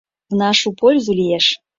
В нашу пользу лиеш!